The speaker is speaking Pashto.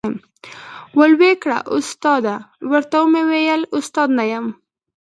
ول وې کړه ، استاده ، ورته ومي ویل استاد نه یم ،